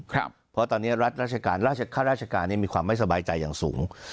ครับเพราะตอนเนี้ยรัฐราชการราชการเนี้ยมีความไม่สบายใจอย่างสูง